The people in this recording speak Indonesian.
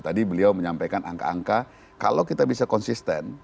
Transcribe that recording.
tadi beliau menyampaikan angka angka kalau kita bisa konsisten